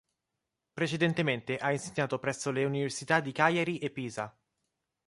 Precedentemente ha insegnato presso le Università di Cagliari e Pisa.